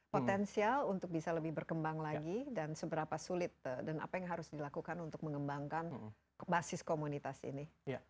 potensial untuk bisa lebih berkembang lagi dan seberapa sulit dan apa yang harus dilakukan untuk mengembangkan basis komunitas ini